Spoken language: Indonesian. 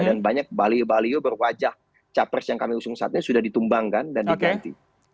banyak baliho baliho berwajah capres yang kami usung saat ini sudah ditumbangkan dan diganti